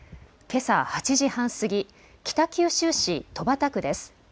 けさ８時半過ぎ、北九州市戸畑区です。